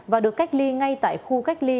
và được cách ly ngay tại khu cách ly